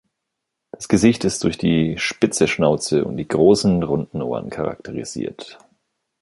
Das Gesicht ist durch die spitze Schnauze und die großen, runden Ohren charakterisiert.